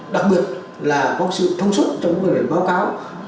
đặc biệt là có sự thông suất trong các báo cáo